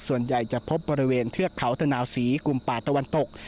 ส่วนใหญ่จะพบบริเวณเทือกเขาธนาวศรีกลุ่มป่าตะวันตก